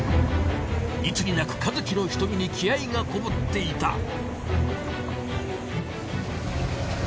いつになく和喜の瞳に気合いがこもっていた。